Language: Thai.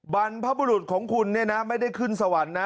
บรรพบุรุษของคุณเนี่ยนะไม่ได้ขึ้นสวรรค์นะ